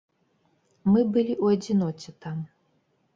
Мы былі ў адзіноце там.